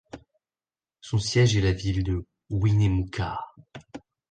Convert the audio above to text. Son siège est la ville de Winnemucca.